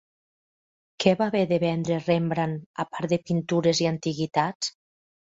Què va haver de vendre Rembrandt a part de pintures i antiguitats?